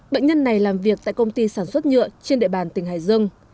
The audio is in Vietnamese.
bệnh nhân này làm việc tại công ty sản xuất nhựa trên địa bàn tỉnh hải dương